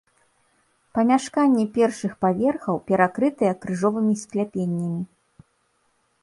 Памяшканні першых паверхаў перакрытыя крыжовымі скляпеннямі.